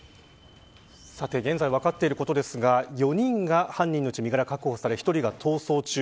現在分かっていることですが犯人４人のうち４人が身柄確保され１人が逃走中。